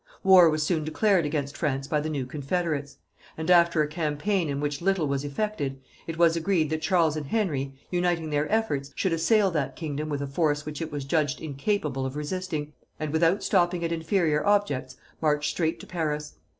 War was soon declared against France by the new confederates; and after a campaign in which little was effected, it was agreed that Charles and Henry, uniting their efforts, should assail that kingdom with a force which it was judged incapable of resisting, and without stopping at inferior objects, march straight to Paris.